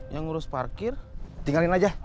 yang ngurus parkir tinggalin aja